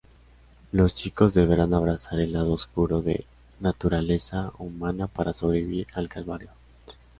Los chicos deberán abrazar el lado oscuro de naturaleza humana para sobrevivir al calvario.